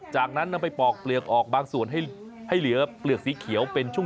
จากนั้นนำไปปอกเปลือกออกบางส่วนให้เหลือเปลือกสีเขียวเป็นช่วง